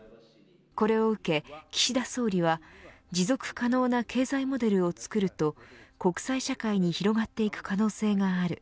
これを受け、岸田総理は持続可能な経済モデルを作ると国際社会に広がっていく可能性がある。